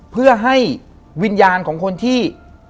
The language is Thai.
เพื่อให้วิญญาณของคนที่